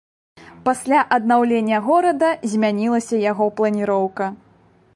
Пасля аднаўлення горада змянілася яго планіроўка.